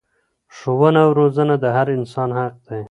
ښوونه او روزنه د هر انسان حق دی.